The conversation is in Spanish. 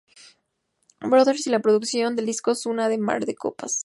Brother’s y la producción del disco Suna de Mar de Copas.